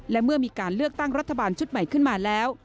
และเมื่อมีการเลือกตั้งรัฐบาลชุดใหม่ขึ้นมาแล้ว